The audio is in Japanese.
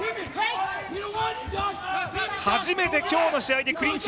初めて今日の試合でクリンチ。